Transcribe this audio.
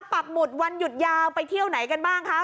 ปักหมุดวันหยุดยาวไปเที่ยวไหนกันบ้างคะ